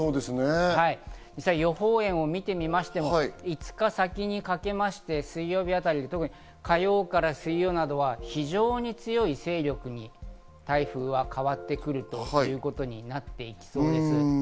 予報円を見てみましても、５日先にかけまして水曜日あたり、特に火曜から水曜などは非常に強い勢力に台風は変わってくるということになっていきそうです。